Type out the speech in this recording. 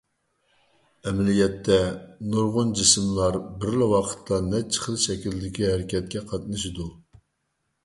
ئەمەلىيەتتە، نۇرغۇن جىسىملار بىرلا ۋاقىتتا نەچچە خىل شەكىلدىكى ھەرىكەتكە قاتنىشىدۇ.